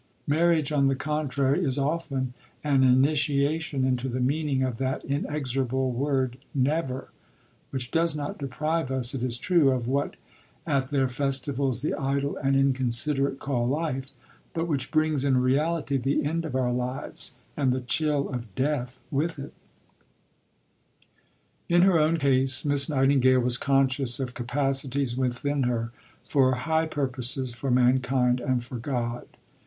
Marriage, on the contrary, is often an initiation into the meaning of that inexorable word Never; which does not deprive us, it is true, of what 'at their festivals the idle and inconsiderate call life,' but which brings in reality the end of our lives, and the chill of death with it." Suggestions for Thought, vol. ii. pp. 229, 231. In her own case, Miss Nightingale was conscious of capacities within her for "high purposes for mankind and for God."